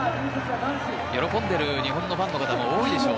喜んでいる日本のファンの方も多いでしょう。